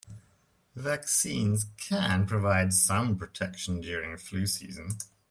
Vaccines can provide some protection during flu season.